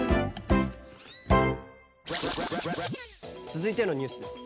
続いてのニュースです。